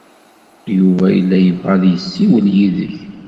Yuba yella yebɣa ad yessiwel yid-k.